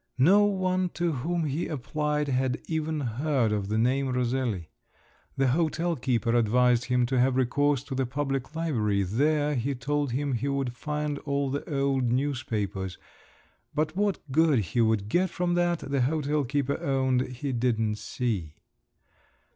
No one to whom he applied had even heard of the name Roselli; the hotel keeper advised him to have recourse to the public library, there, he told him, he would find all the old newspapers, but what good he would get from that, the hotel keeper owned he didn't see.